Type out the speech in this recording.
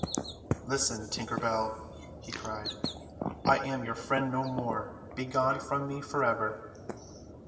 "Listen, Tinker Bell," he cried, "I am your friend no more. Begone from me for ever."